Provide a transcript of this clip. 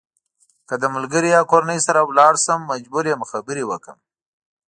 که له ملګري یا کورنۍ سره لاړ شم مجبور یم خبرې وکړم.